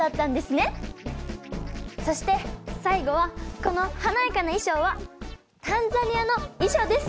そして最後はこの華やかな衣装はタンザニアの衣装です。